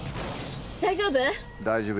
大丈夫？